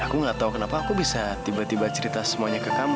aku nggak tahu kenapa aku bisa tiba tiba cerita semuanya ke kamu